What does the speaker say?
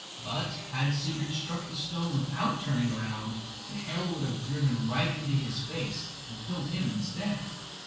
But had Sigurd struck the stone without turning round, the hail would have driven right into his face and killed him instead.